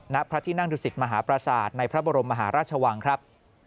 ณพระที่นั่งดุสิตมหาปราศาสตร์ในพระบรมมหาราชวังครับ